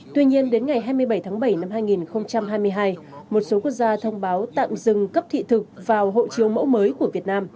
tuy nhiên đến ngày hai mươi bảy tháng bảy năm hai nghìn hai mươi hai một số quốc gia thông báo tạm dừng cấp thị thực vào hộ chiếu mẫu mới của việt nam